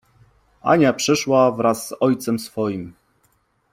Ania przyszła wraz z ojcem swoim!